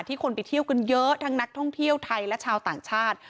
คนไปเที่ยวกันเยอะทั้งนักท่องเที่ยวไทยและชาวต่างชาติ